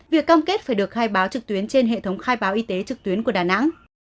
việc cam kết phải được khai báo trực tuyến trên hệ thống khai báo y tế trực tuyến của đà nẵng